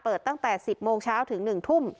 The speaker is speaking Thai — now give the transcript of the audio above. เปิดตั้งแต่สิบโมงเช้าถึงหนึ่งทุ่ม